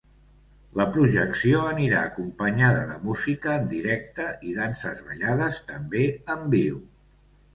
La projecció anirà acompanyada de música en directe i danses ballades també en viu.